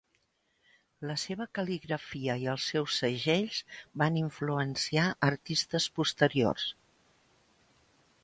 La seva cal·ligrafia i els seus segells van influenciar a artistes posteriors.